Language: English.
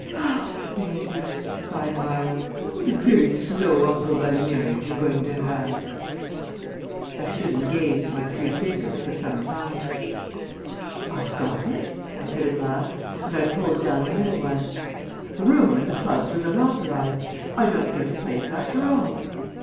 "Oh, baby," sighed Myra, "what a very slow uncle by marriage you're going to have!" I stood and gazed at my three fingers for some time. "I've got it," I said at last, and I pulled down the middle one. "The rumour in the clubs was unauthorized. I don't get a place after all."